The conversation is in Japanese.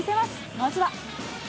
まずは。